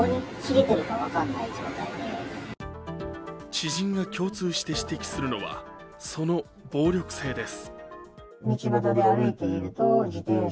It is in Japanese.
知人が共通して指摘するのはその暴力性です。